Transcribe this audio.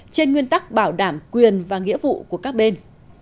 trên nguyên tắc bảo đảm quyền và nghĩa vụ của các bên